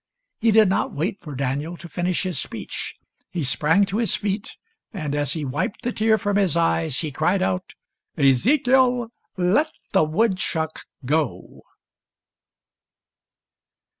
He did not wait for Daniel to finish his speech. He sprang to his feet, and as he wiped the tears from his eyes, he cried out, " Ezekiel, let the wood chuck go